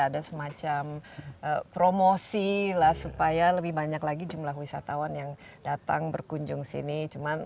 ada semacam promosi lah supaya lebih banyak lagi jumlah wisatawan yang datang berkunjung sini cuman